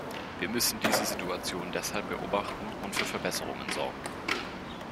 Wir müssen diese Situation deshalb beobachten und für Verbesserungen sorgen.